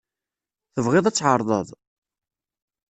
Tebɣiḍ ad tɛerḍeḍ?